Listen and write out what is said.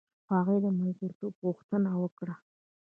هغوی د ملګرتوب غوښتنه وکړه.